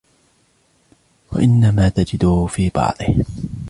وَإِنَّمَا تَجِدُهُ فِي بَعْضِهِ